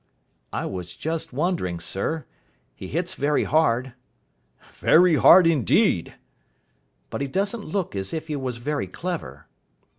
"I was just wondering, sir. He hits very hard." "Very hard indeed." "But he doesn't look as if he was very clever."